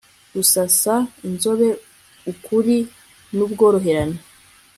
gusasa inzobe ukuri n ubworoherane